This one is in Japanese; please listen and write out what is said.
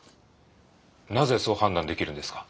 なぜそう判断できるんですか？